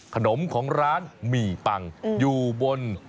ของร้านหมี่ปังอยู่บน